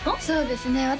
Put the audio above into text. そうですね